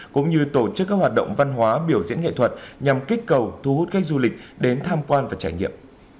cũng như tổ chức các hoạt động văn hóa biểu diễn nghệ thuật nhằm kích cầu thu hút khách du lịch đến tham quan và trải nghiệm